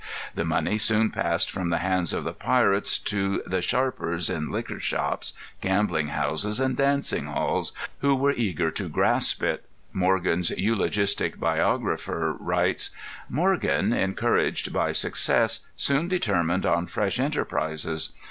The money soon passed from the hands of the pirates to the sharpers in liquor shops, gambling houses, and dancing halls, who were eager to grasp it. Morgan's eulogistic biographer writes: "Morgan, encouraged by success, soon determined on fresh enterprises.